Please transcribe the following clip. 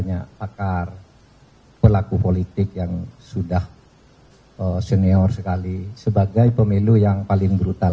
banyak pakar pelaku politik yang sudah senior sekali sebagai pemilu yang paling brutal